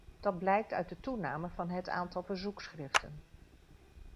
Dat blijkt uit de toename van het aantal verzoekschriften.